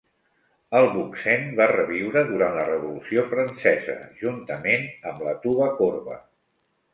El buccén va reviure durant la Revolució Francesa, juntament amb la "tuba corba".